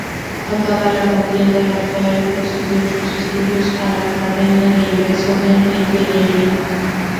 Acaba la contienda, Rafael prosiguió sus estudios en la academia de ingreso en Ingeniería.